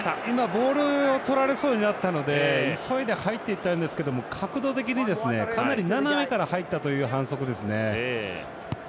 ボールをとられそうになったので急いで入っていったんですけど角度的にかなり斜めから入ったという反則ですね。